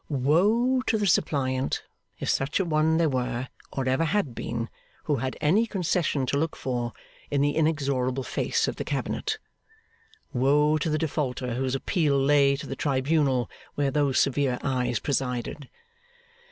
Woe to the suppliant, if such a one there were or ever had been, who had any concession to look for in the inexorable face at the cabinet. Woe to the defaulter whose appeal lay to the tribunal where those severe eyes presided.